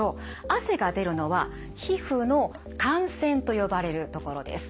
汗が出るのは皮膚の汗腺と呼ばれるところです。